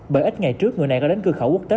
bởi ít ngày trước người này có đến cư khẩu quốc tế